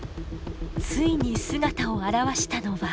ついに姿を現したのは。